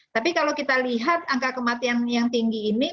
tapi kalau kita lihat angka kematian yang tinggi ini